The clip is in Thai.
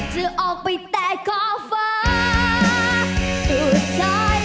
จะออกไปแตกข้อเฟ้อ